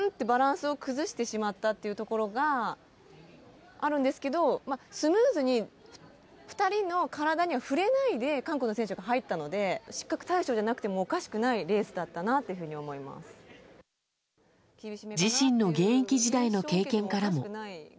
バランスを崩してしまったというところがあるんですけど、スムーズに、２人の体には触れないで、韓国の選手が入ったので、失格対象じゃなくてもおかしくないレースだったなというふうに思自身の現役時代の経験からも。